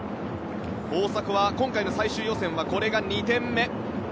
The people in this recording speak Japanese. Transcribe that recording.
大迫は今回の最終予選はこれが２点目。